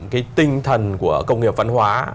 cái tinh thần của công nghiệp văn hóa